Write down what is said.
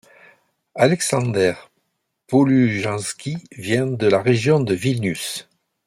Aleksander Połujański vient de la région de Vilnius.